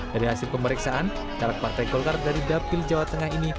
dari hasil pemeriksaan caleg partai golkar dari dapil jawa tengah ini